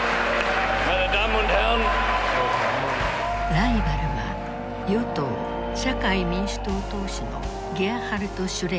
ライバルは与党社会民主党党首のゲアハルト・シュレーダー。